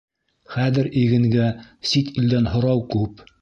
Хәҙер игенгә сит илдән һорау күп.